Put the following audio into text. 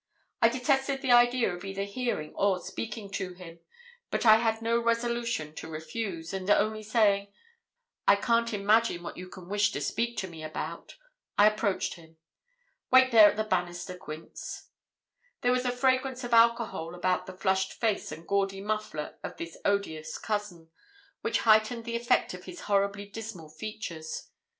I detested the idea of either hearing or speaking to him; but I had no resolution to refuse, and only saying 'I can't imagine what you can wish to speak to me about,' I approached him. 'Wait there at the banister, Quince.' There was a fragrance of alcohol about the flushed face and gaudy muffler of this odious cousin, which heightened the effect of his horribly dismal features.